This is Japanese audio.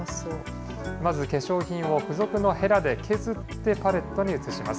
まず化粧品を付属のへらで削ってパレットに移します。